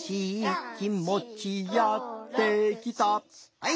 はい！